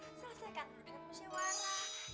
pak selesaikanmu dengan musyawarah